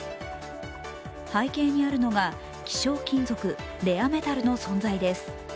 背景にあるのが、希少金属＝レアメタルの存在です。